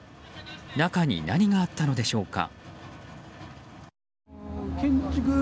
中に何があったのでしょうか。